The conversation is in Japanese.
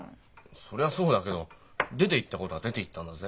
そりゃそうだけど出ていったことは出ていったんだぜ。